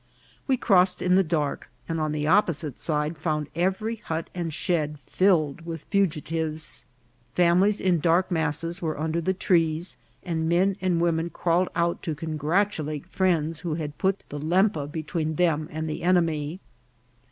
We crossed in the dark, and on the opposite side found every hut and shed filled with fugitives ; families in dark masses were under the trees, and men and wom en crawled out to congratulate friends who had put the Lempa between them and the enemy.